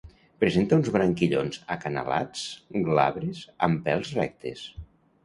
Presenta uns branquillons acanalats, glabres, amb pèls rectes.